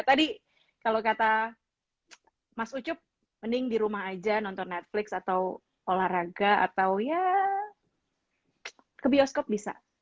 tadi kalau kata mas ucup mending di rumah aja nonton netflix atau olahraga atau ya ke bioskop bisa